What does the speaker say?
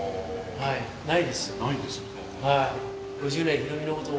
はい。